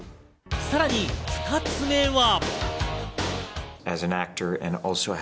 さらに２つ目は。